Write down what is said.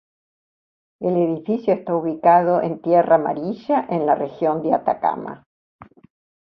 El edificio está ubicado en Tierra Amarilla en la Región de Atacama.